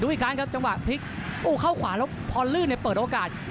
อีกครั้งครับจังหวะพลิกโอ้เข้าขวาแล้วพอลื่นเนี่ยเปิดโอกาส